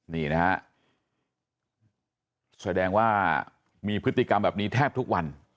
นี่นะฮะแสดงว่ามีพฤติกรรมแบบนี้แทบทุกวัน